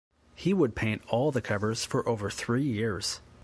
He would paint all the covers for over three years.